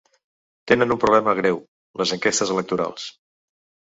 Tenen un problema greu, les enquestes electorals.